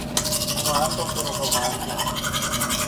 گمان تو پھرگمان ہوتا ہے۔